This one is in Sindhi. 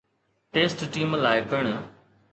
ٽيسٽ ٽيم لاء پڻ